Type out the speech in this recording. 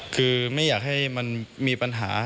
คือไม่อยากให้มันมีปัญหา